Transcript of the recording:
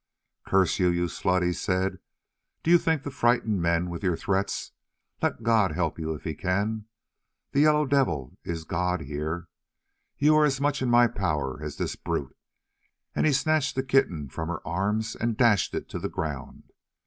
"Curse you, you slut!" he said, "do you think to frighten men with your threats? Let God help you if He can. The Yellow Devil is god here. You are as much in my power as this brute," and he snatched the kitten from her arms and dashed it to the ground.